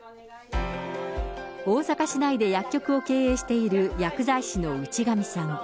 大阪市内で薬局を経営している薬剤師のうちがみさん。